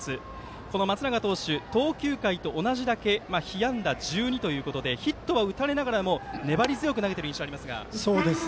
この松永投手投球回と同じだけ被安打１２ということでヒットは打たれながらも粘り強く投げている印象がありますが。